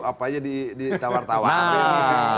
apa aja ditawar tawar